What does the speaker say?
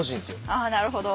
ああなるほど。